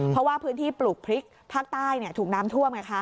เพราะว่าพื้นที่ปลูกพริกภาคใต้ถูกน้ำท่วมไงคะ